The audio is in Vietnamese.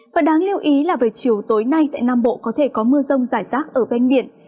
và đáng lưu ý là về chiều tối nay tại nam bộ có thể có mưa rông rải rác ở ven biển